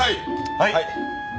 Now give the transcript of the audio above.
はい！